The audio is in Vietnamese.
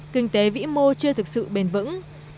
kinh tế vĩ mô chưa thực sự bền vững